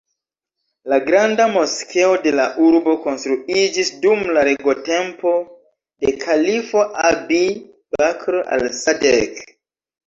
La granda moskeo de la urbo konstruiĝis dum la regotempo de kalifo "Abi-Bakr Al-Sadeek".